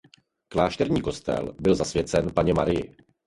Klášterní kostel byl zasvěcen Panně Marii.